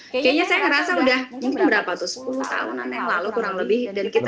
kayaknya saya ngerasa udah mungkin berapa tuh sepuluh tahunan yang lalu kurang lebih